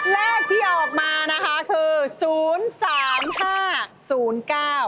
เลขที่ออกมานะคะคือ๐๓๕๐๙